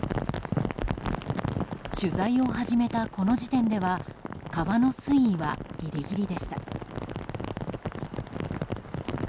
取材を始めたこの時点では川の水位はギリギリでした。